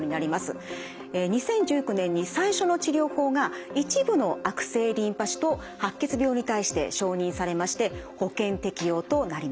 ２０１９年に最初の治療法が一部の悪性リンパ腫と白血病に対して承認されまして保険適用となりました。